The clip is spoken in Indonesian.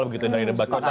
begitu dari debat kocak